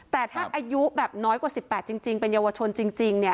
แต่ถ้าอายุแบบน้อยกว่า๑๘จริงเป็นเยาวชนจริงเนี่ย